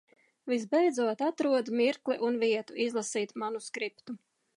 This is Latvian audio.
Visbeidzot atrodu mirkli un vietu izlasīt manuskriptu.